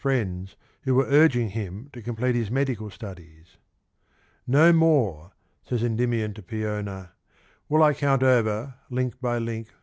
23 friends who were urging him to complete his medical studies :" No more," says Endymion to Peona, will I count over, link by link.